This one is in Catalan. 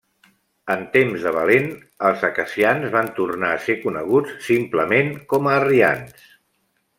En temps de Valent, els acacians van tornar a ser coneguts simplement com a arrians.